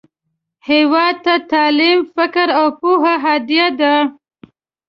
هیواد ته تعلیم، فکر، او پوهه هدیه ده